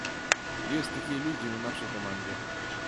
Ёсць такія людзі і ў нашай камандзе.